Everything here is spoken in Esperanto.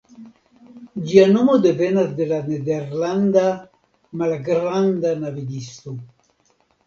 Ĝia nomo devenas de la nederlanda "malgranda navigisto".